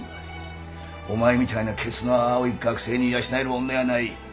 お前みたいなけつの青い学生に養える女やない。